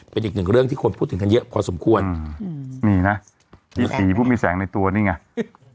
เป็นอีกหนึ่งเรื่องที่คนพูดถึงกันเยอะพอสมควรอืมนี่นะมีสีผู้มีแสงในตัวนี่ไง